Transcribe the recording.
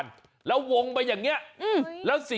ยังไงล่ะ